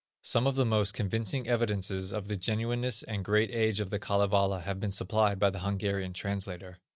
Some of the most convincing evidences of the genuineness and great age of the Kalevala have been supplied by the Hungarian translator.